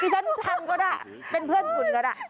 ฉันทำก็ได้เป็นเพื่อนคุณก็ได้